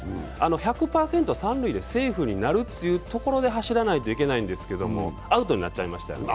１００％、三塁でセーフになるというところで走らないといけないんですけれども、アウトになっちゃいましたよね